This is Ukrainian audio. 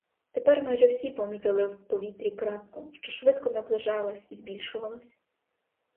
Тепер майже всі помітили в повітрі крапку, що швидко наближалась і збільшувалась.